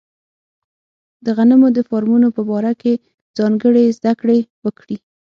د غنمو د فارمونو په باره کې ځانګړې زده کړې وکړي.